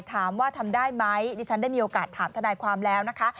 ถามว่าทำได้ไหมดิฉันได้มีโอกาสถามทนายความแล้วนะคะ